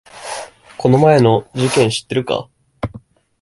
この前の事件知ってるか？